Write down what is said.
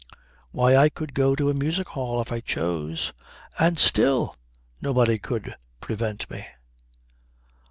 Why, I could go to a music hall if I chose, and still nobody could prevent me!"